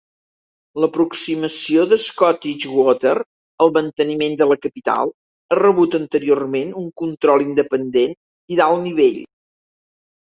L"aproximació de Scottish Water al manteniment de la capital ha rebut anteriorment un control independent i d"alt nivell.